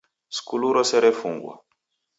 Skulu rose refungwa.